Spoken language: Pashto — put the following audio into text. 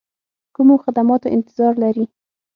کومو خدماتو انتظار لري.